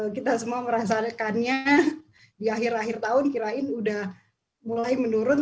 kita semua merasa rekannya di akhir akhir tahun kirain udah mulai menurun